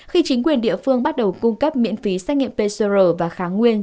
khi chính quyền địa phương bắt đầu cung cấp miễn phí xét nghiệm pcr và kháng nguyên